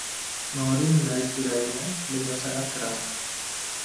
Maury menarik tirainya dengan sangat keras.